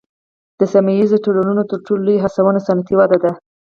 د سیمه ایزو تړونونو تر ټولو لوی هڅونه صنعتي وده ده